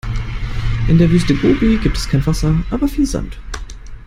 In der Wüste Gobi gibt es kein Wasser, aber viel Sand.